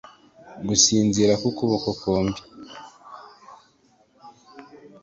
gusinzira ku kuboko kwombi.